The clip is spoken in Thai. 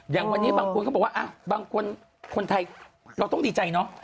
อย่างวันนี้บางคนก็บอกว่าบางคนคนไทยเราต้องดีใจเนาะ